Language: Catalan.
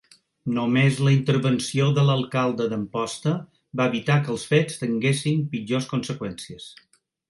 Només la intervenció de l'alcalde d'Amposta va evitar que els fets tinguessin pitjors conseqüències.